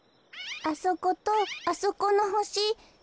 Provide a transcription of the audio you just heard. あそことあそこのほし。